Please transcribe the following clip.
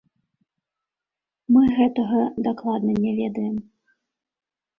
Мы гэтага дакладна не ведаем.